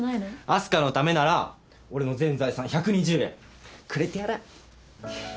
明日香のためなら俺の全財産１２０円くれてやらあ。